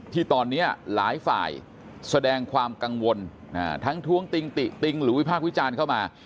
ที่ตอนนี้หลายฝ่ายแสดงความกังวลทั้งท้วงติงติติงหรือวิพากษ์วิจารณ์เข้ามา